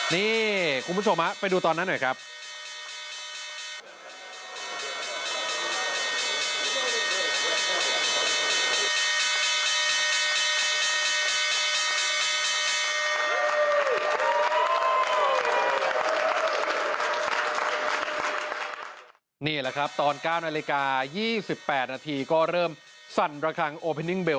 นี่คุณผู้ชมไปดูตอนนั้นหน่อยครับ